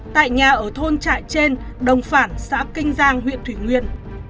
tại nhà ở thôn trại trên đồng phản xã kinh giang huyện thủy nguyên